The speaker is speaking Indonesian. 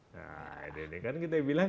nah ini kan kita bilang